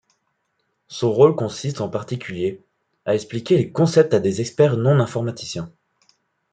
Son rôle consiste en particulier à expliquer les concepts à des experts non informaticiens.